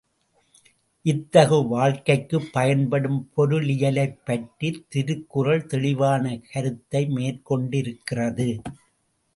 இத்தகு வாழ்க்கைக்குப் பயன்படும் பொருளியலைப் பற்றித் திருக்குறள் தெளிவான கருத்தை மேற்கொண்டிருக்கிறது.